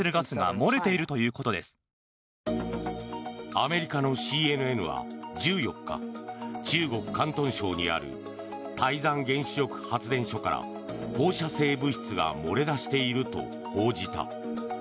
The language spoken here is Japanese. アメリカのＣＮＮは１４日中国・広東省にある台山原子力発電所から放射性物質が漏れ出していると報じた。